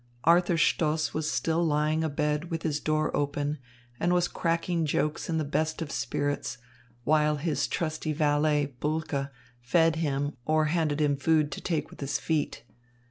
Arthur Stoss was still lying abed with his door open and was cracking jokes in the best of spirits, while his trusty valet, Bulke, fed him or handed him food to take with his feet.